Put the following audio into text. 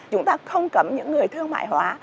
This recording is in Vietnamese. chúng ta không cấm những người thương mại hóa